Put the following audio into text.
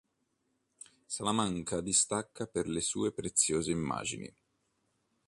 Salamanca distacca per le sue preziose immagini.